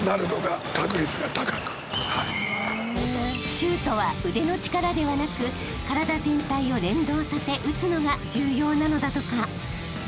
［シュートは腕の力ではなく体全体を連動させ打つのが重要なのだとか］